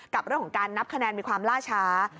กับเรื่องของการนับคะแนนมีความล่าช้า